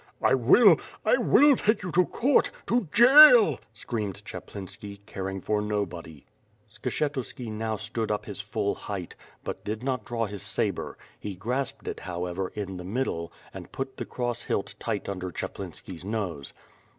"I will — I will take you to court — to jail," screamed Chap linski, caring for nobody. Skshetuski now stod up his full height, but did not draw his sabre; he grasped it, however, in the middle, and put the cross hilt tight under Chaplinski's nose.